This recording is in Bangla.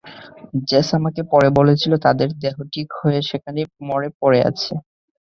জেস আমাকে পরে বলেছিল তাদের দেহ ঠিক সেখানেই মরে পড়ে আছে।